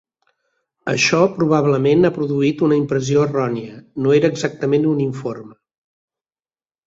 Això probablement ha produït una impressió errònia. no era exactament un uniforme.